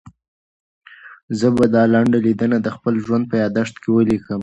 زه به دا لنډه لیدنه د خپل ژوند په یادښت کې ولیکم.